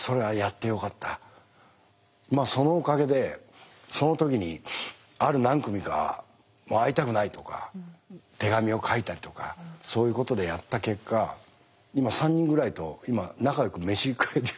まあそのおかげでその時にある何組かもう会いたくないとか手紙を書いたりとかそういうことでやった結果今３人ぐらいと今仲よく飯食えて。